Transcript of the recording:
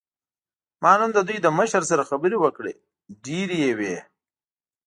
ما نن د دوی له مشر سره خبرې وکړې، ډېرې یې وې.